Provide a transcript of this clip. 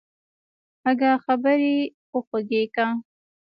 اگه خبرې خو خوږې که.